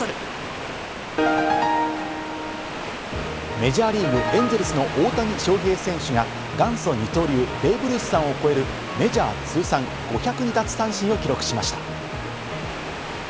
メジャーリーグ・エンゼルスの大谷翔平選手が、元祖二刀流、ベーブ・ルースさんを超えるメジャー通算５０２奪三振を記録しました。